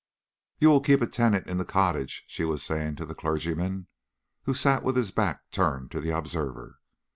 "You will keep a tenant in the cottage," she was saying to the clergyman, who sat with his back turned to the observer.